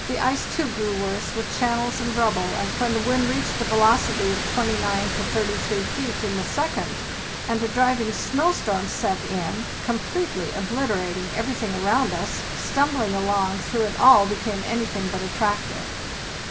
orew worse, with channels and rubble, and The ice, too, g when the wind reached a velocity of 29 to 33 feet in the second, and a driving snow storm set in, completely oblit erating everything around us, stumbling along through it all became anything but attractive.